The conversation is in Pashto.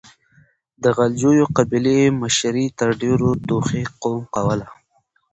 د غلجيو قبيلې مشري تر ډيرو توخي قوم کوله.